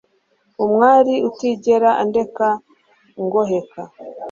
Umwari utigera andeka ngoheka